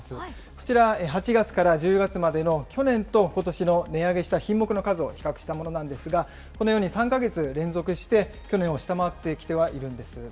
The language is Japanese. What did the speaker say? こちら、８月から１０月までの去年とことしの値上げした品目の数を比較したものなんですが、このように３か月連続して去年を下回ってきてはいるんです。